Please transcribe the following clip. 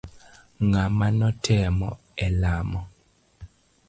Ng'ama notelo elamo.